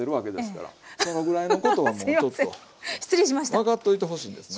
分かっといてほしいんですね。